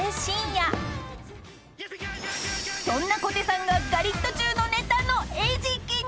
［そんな小手さんがガリットチュウのネタの餌食に］